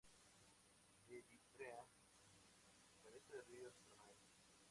Eritrea carece de ríos permanentes.